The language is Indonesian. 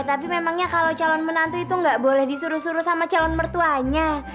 sampai jumpa di video selanjutnya